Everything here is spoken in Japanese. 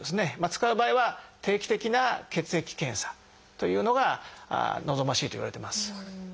使う場合は定期的な血液検査というのが望ましいといわれてます。